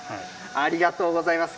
ありがとうございます。